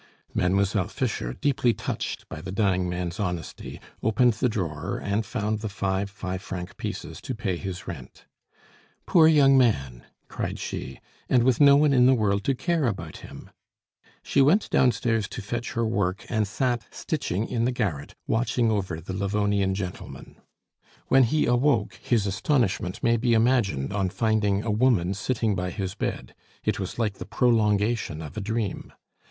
Mademoiselle Fischer, deeply touched by the dying man's honesty, opened the drawer and found the five five franc pieces to pay his rent. "Poor young man!" cried she. "And with no one in the world to care about him!" She went downstairs to fetch her work, and sat stitching in the garret, watching over the Livonian gentleman. When he awoke his astonishment may be imagined on finding a woman sitting by his bed; it was like the prolongation of a dream.